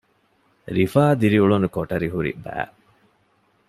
ރިފާ ދިރިއުޅުނު ކޮޓަރި ހުރި ބައި